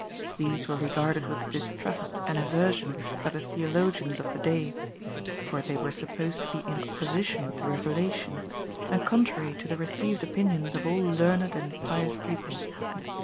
These were regarded with distrust and aversion by the theologians of the day, for they were supposed to be in opposition to Revelation, and contrary to the received opinions of all learned and pious people.